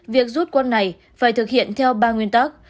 việc rút quân này phải thực hiện theo ba nguyên tắc